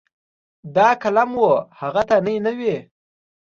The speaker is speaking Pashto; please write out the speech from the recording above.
دا قلم و هغه ته نی نه وي.